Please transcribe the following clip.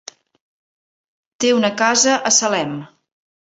Té una casa a Salem.